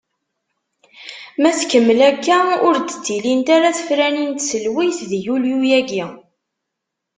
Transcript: Ma tkemmel akka, ur d-ttilint ara tefranin n tselweyt di yulyu-agi.